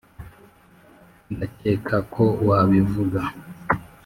ndakeka ko wabivuga